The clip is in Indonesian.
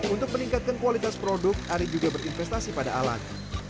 untuk meningkatkan kualitas produk ari juga berinvestasi pada alat